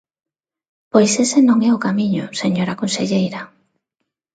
Pois ese non é o camiño, señora conselleira.